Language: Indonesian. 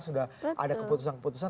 sudah ada keputusan keputusan